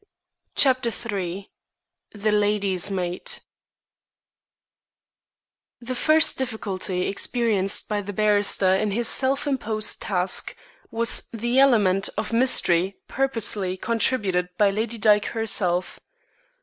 CHAPTER III THE LADY'S MAID The first difficulty experienced by the barrister in his self imposed task was the element of mystery purposely contributed by Lady Dyke herself.